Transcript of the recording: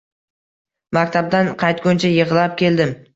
Maktabdan qaytguncha yig`lab keldim